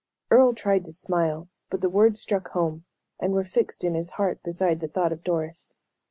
Earle tried to smile, but the words struck home, and were fixed in his heart beside the thought of Doris.